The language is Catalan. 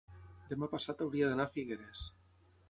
Demà passat hauria d'anar a Figueres.